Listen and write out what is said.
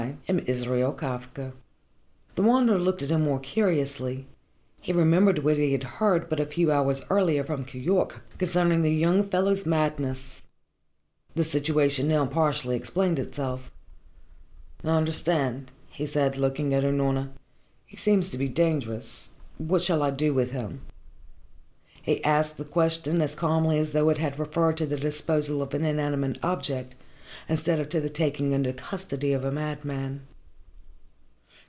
I am Israel Kafka." The Wanderer looked at him more curiously. He remembered what he had heard but a few hours earlier from Keyork concerning the young fellow's madness. The situation now partially explained itself. "I understand," he said, looking at Unorna. "He seems to be dangerous. What shall I do with him?" He asked the question as calmly as though it had referred to the disposal of an inanimate object, instead of to the taking into custody of a madman.